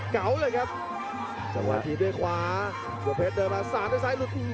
เก่าเลยครับจังหวะถีบด้วยขวาตัวเพชรเดินมาสาดด้วยซ้ายหลุด